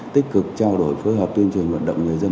tích cực trao đổi phối hợp tuyên truyền vận động người dân